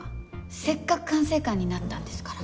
せっかく管制官になったんですから。